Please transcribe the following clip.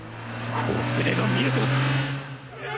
ほつれが見えた！